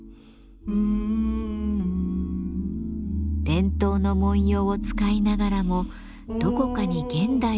伝統の文様を使いながらもどこかに現代の感性を生かす。